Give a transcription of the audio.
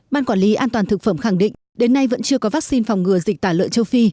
ban quản lý an toàn thực phẩm khẳng định đến nay vẫn chưa có vaccine phòng ngừa dịch tả lợn châu phi